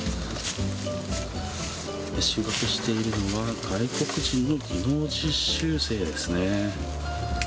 収穫しているのは、外国人の技能実習生ですね。